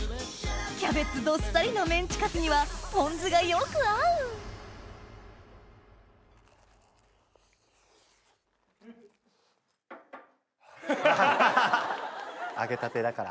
キャベツどっさりのメンチカツにはポン酢がよく合う揚げたてだから。